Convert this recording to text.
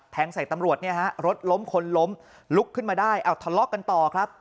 แท้งใส่ตำรวจรถล้มคนล้มลุกขึ้นมาได้ทะเลาะกันต่อครับ